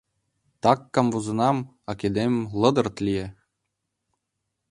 Так камвозынам, а кидем лыдырт лие.